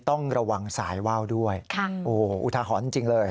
ต้องระวังสายว่าวด้วยอุทหรณ์จริงเลย